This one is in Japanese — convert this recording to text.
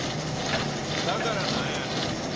だからなんやねん！